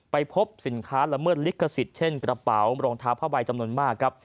ไปพบสินค้าละเมิดลิขสิทธิ์เช่นกระเป๋ารองเท้าผ้าใบจำนวนมากครับ